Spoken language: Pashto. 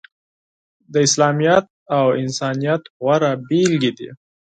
د اسلامیت او انسانیت غوره بیلګې دي.